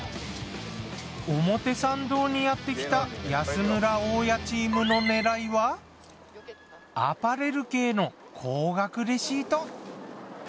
表参道にやってきた安村・大家チームの狙いはアパレル系の高額レシート。